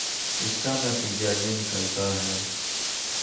اس کا نتیجہ یہ نکلتا ہے